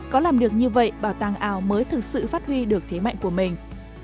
có làm được như vậy bảo tàng ảo mới thực sự phát huy được thế mạnh của mình